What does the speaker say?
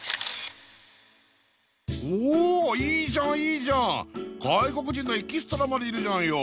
おおいいじゃんいいじゃん外国人のエキストラまでいるじゃんよ